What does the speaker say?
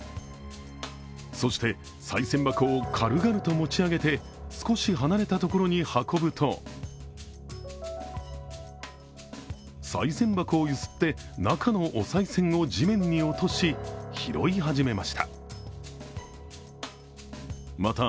そして、さい銭箱を軽々と持ち上げて、少し離れたところに運ぶとさい銭箱をゆすって中のおさい銭を地面に落とし、拾い始めました。